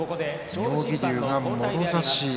妙義龍が、もろ差し。